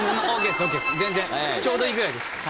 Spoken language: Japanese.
ちょうどいいぐらいです。